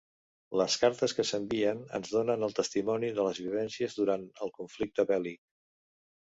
Les cartes que s'envien ens donen el testimoni de les vivències durant el conflicte bèl·lic.